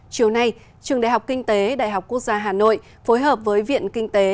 chiều nay trường đại học kinh tế đại học quốc gia hà nội phối hợp với viện kinh tế